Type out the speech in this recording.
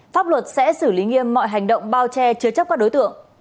pháp luật sẽ xử lý nghiêm mọi hành động bao che chứa chấp các đối tượng